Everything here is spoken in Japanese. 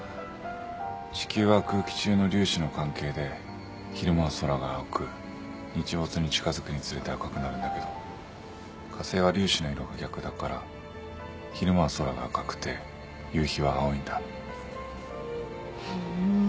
地球は空気中の粒子の関係で昼間は空が青く日没に近づくにつれて赤くなるんだけど火星は粒子の色が逆だから昼間は空が赤くて夕日は青いんだ。ふーん。